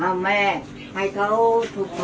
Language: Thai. อาวุธแห่งแล้วพอเดินได้ผมว่าเจอบัตรภรรยากุศิษภัณฑ์